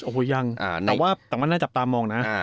โอ้โหยังแต่ว่าน่าจับตามองนะ